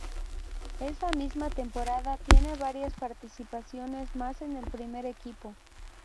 Esa misma temporada tiene varias participaciones más en el primer equipo.